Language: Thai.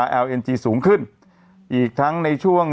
มันจีสูงขึ้นอีกทั้งในช่วง